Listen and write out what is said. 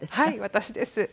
私です。